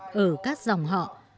khuyến học ở các dòng họ